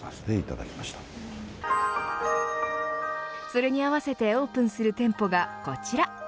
それに合わせてオープンする店舗がこちら。